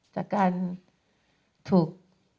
จากการถูก